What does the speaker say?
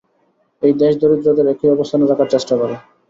এই দেশ দরিদ্রদের একই অবস্থানে রাখার চেষ্টা করে।